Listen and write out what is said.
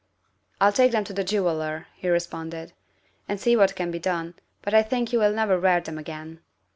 " I'll take them to a jeweller," he responded, " and see what can be done, but I think you will never wear them again.